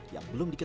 yang belum dikenal